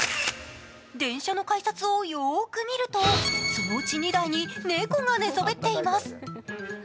電車の改札をよーく見ると、そのうち２台に猫が寝そべっています。